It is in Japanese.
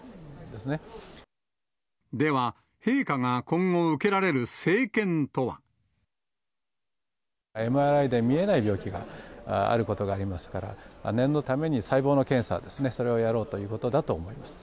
では、陛下が今後受けられるＭＲＩで見えない病気があることがありますから、念のために細胞の検査ですね、それをやろうということだと思います。